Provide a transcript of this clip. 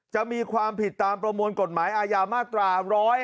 จะมีความผิดตามประมวลกฎหมายอาญามาตรา๑๕